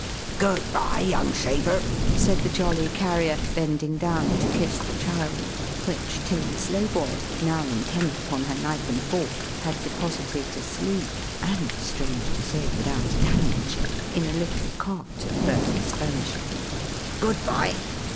"Good bye young shaver!" said the jolly Carrier, bending down to kiss the child; which Tilly Slowboy, now intent upon her knife and fork, had deposited asleep (and strange to say, without damage) in a little cot of Bertha's furnishing; "good bye!